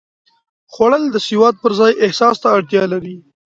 خوړل د سواد پر ځای احساس ته اړتیا لري